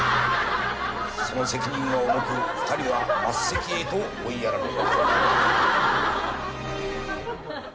その責任は重く２人は末席へと追いやられる。